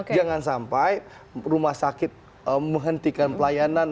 jangan sampai rumah sakit menghentikan pelayanan